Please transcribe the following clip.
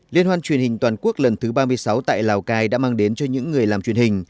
liên hoan truyền hình toàn quốc lần thứ ba mươi sáu tại lào cai đã mang đến cho những người làm truyền hình